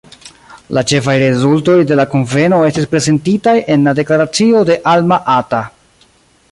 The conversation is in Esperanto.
La ĉefaj rezultoj de la kunveno estis prezentitaj en la deklaracio de Alma-Ata.